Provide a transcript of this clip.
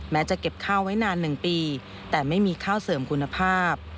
จะเก็บข้าวไว้นาน๑ปีแต่ไม่มีข้าวเสริมคุณภาพ